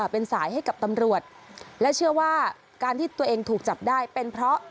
เป็นสายให้กับตำรวจและเชื่อว่าการที่ตัวเองถูกจับได้เป็นเพราะ